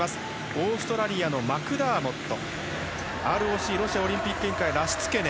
オーストラリアのマクダーモットＲＯＣ・ロシアオリンピック委員会のラシツケネ。